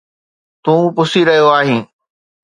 تون پسي رهيو آهين